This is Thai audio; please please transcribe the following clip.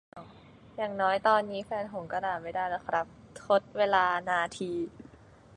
อย่างน้อยตอนนี้แฟนหงส์ก็ด่าไม่ได้แล้วครับ ทดเวลา นาที